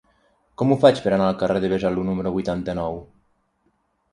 Com ho faig per anar al carrer de Besalú número vuitanta-nou?